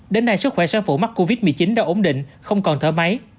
đến nay sức khỏe sau phụ mắc covid một mươi chín đã ổn định không còn thở máy